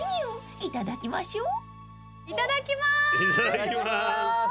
はいいただきます。